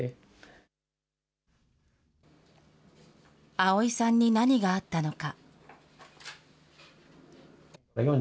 碧さんに何があったのか。